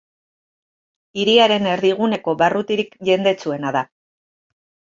Hiriaren erdiguneko barrutirik jendetsuena da.